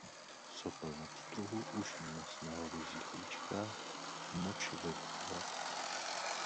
Sopel na pstruhu, ušní maz na hovězích líčkách, moč ve vývaru.